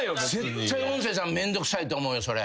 絶対音声さんめんどくさいと思うよそれ。